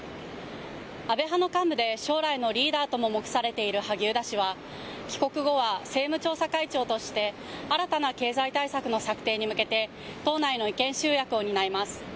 安倍派の幹部で将来のリーダーとも目されている萩生田氏は帰国後は政務調査会長として新たな経済対策の策定に向けて党内の意見集約を担います。